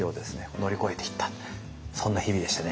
乗り越えていったそんな日々でしたね。